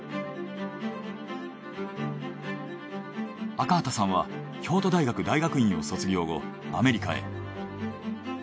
赤畑さんは京都大学大学院を卒業後アメリカへ。